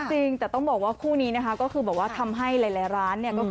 จริงแต่ต้องบอกว่าคู่นี้ก็คือทำให้หลายร้าน